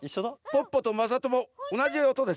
ポッポとまさともおなじおとです。